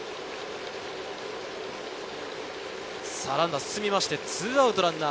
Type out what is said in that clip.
ランナー進んで２アウトランナー。